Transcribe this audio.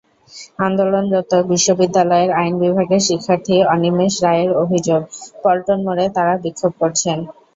আন্দোলনরত বিশ্ববিদ্যালয়ের আইন বিভাগের শিক্ষার্থী অনিমেষ রায়ের অভিযোগ, পল্টন মোড়ে তাঁরা বিক্ষোভ করছেন।